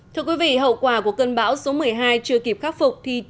thưa quý vị hậu quả của cơn bão số một mươi hai chưa kịp khắc phục